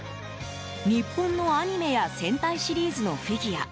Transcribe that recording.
日本のアニメや戦隊シリーズのフィギュア